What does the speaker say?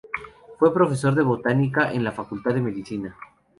Fue profesor de Botánica en la Facultad de Medicina.